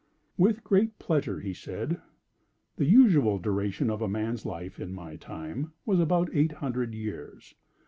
"With great pleasure," he said. "The usual duration of man's life, in my time, was about eight hundred years.